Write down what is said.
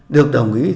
được đồng ý